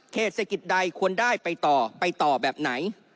เศรษฐกิจใดควรได้ไปต่อไปต่อแบบไหน